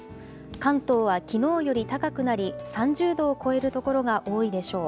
関東はきのうより高くなり、３０度を超える所が多いでしょう。